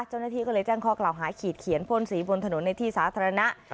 เจ้าหน้าที่ก็เลยแจ้งข้อกล่าวหาขีดเขียนพ่นสีบนถนนในที่สาธารณะ